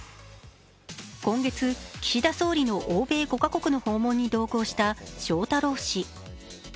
今月、岸田総理の欧米５か国の訪問に同行した翔太郎氏。